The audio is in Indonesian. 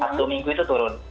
abdu minggu itu turun